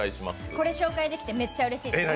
これ紹介できてめっちゃうれしいです。